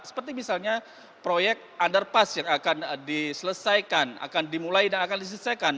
seperti misalnya proyek underpass yang akan diselesaikan akan dimulai dan akan diselesaikan